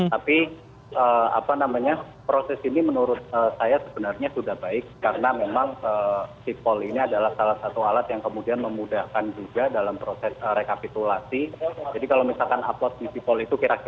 tapi apa namanya proses ini menurut saya sebenarnya sudah baik karena memang sipol ini adalah salah satu alat yang kemudian memudahkan juga dalam proses rekapitulasi